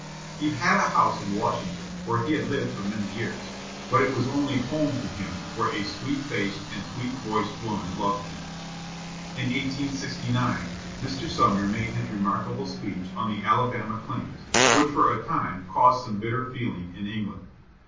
He had a house in Washington, where he had lived for many years, but it was only home to him where a sweet faced and sweet voiced woman loved him. In 1869, Mr. Sumner made his remarkable speech on the "Alabama" claims, which for a time caused some bitter feeling in England.